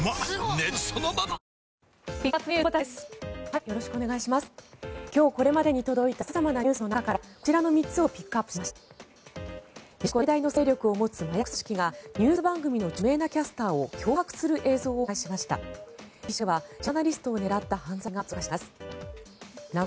メキシコで最大の勢力を持つ麻薬組織がニュース番組の著名なキャスターを脅迫する映像を公開しました。